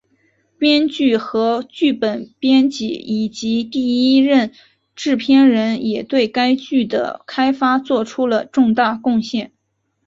编剧和剧本编辑以及第一任制片人也对该剧的开发作出了重大贡献。